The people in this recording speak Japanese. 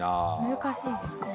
難しいですね。